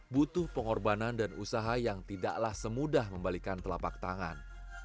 butuh pengorbanan dan usaha yang tidaklah semudah membalikan telapak tangan